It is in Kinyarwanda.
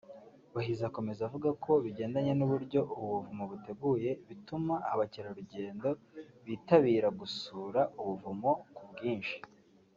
Bahizi akomeza avuga ko bigendanye n’uburyo ubu buvumo buteguye bituma abacyerarugendo bitabiragusura ubuvumo ku bwinshi